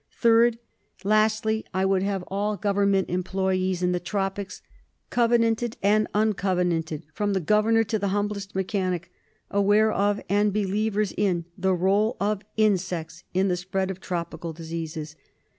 Third : Lastly, I would have all government employees in the tropics, covenanted and uncovenanted, from the governor to the humblest mechanic, aware of and believers in the role of insects in the spread of tropical diseases.